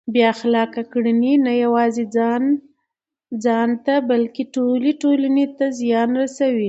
بې اخلاقه کړنې نه یوازې ځان ته بلکه ټولې ټولنې ته زیان رسوي.